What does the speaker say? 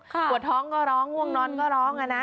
กลัวท้องก็ร้องง่วงนอนก็ร้อง